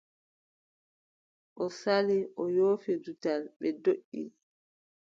O sali o yoofi dutal, ɓe ndoʼi.